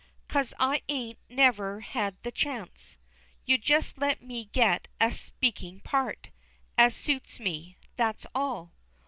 _ Cause I ain't never had the chance. You just let me get a "speaking part" as suits me, that's all!